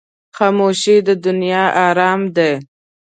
خاموشي، د دنیا آرام دی.